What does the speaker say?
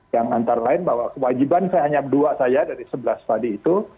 yang antara lain bahwa kewajiban saya hanya dua saja dari sebelas tadi itu